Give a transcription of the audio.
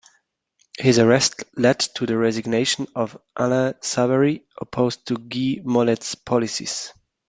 His arrest led to the resignation of Alain Savary, opposed to Guy Mollet's policies.